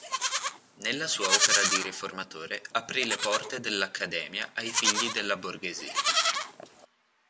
Nella sua opera di riformatore aprì le porte dell'Accademia ai figli della borghesia.